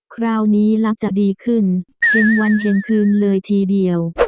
คราวนี้รักจะดีขึ้นเป็นวันแห่งคืนเลยทีเดียว